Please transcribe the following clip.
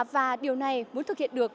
và điều này muốn thực hiện được